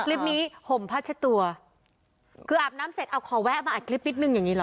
ห่มผ้าเช็ดตัวคืออาบน้ำเสร็จเอาขอแวะมาอัดคลิปนิดนึงอย่างงี้เหรอ